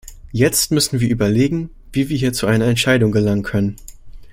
Jetzt müssen wir überlegen, wie wir hier zu einer Entscheidung gelangen können.